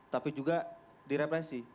tapi juga direpresi